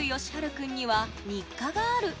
君には日課がある。